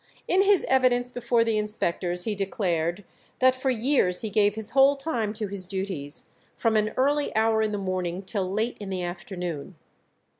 In his evidence before the inspectors he declared that "for years he gave his whole time to his duties, from an early hour in the morning till late in the afternoon.